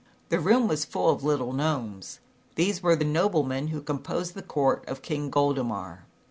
The room was full of little Gnomes. These were the noblemen who com posed the court of King Goldemar.